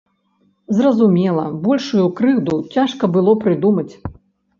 Зразумела, большую крыўду цяжка было прыдумаць.